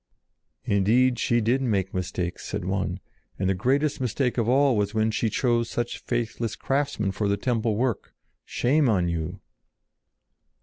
"Indeed she did make mistakes," said one, "and the greatest mistake of all was when she chose such faithless craftsmen for the temple work. Shame on you!"